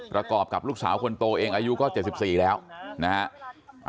ประกอบกับลูกสาวคนโตเองอายุก็๗๔แล้วนะฮะ